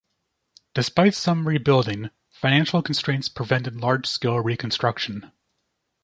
Despite some rebuilding, financial constraints prevented large scale reconstruction.